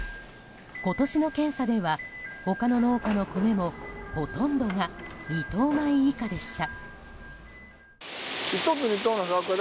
今年の検査では、他の農家の米もほとんどが２等米以下でした。